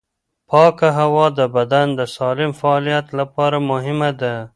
پاکه هوا د بدن د سالم فعالیت لپاره مهمه ده.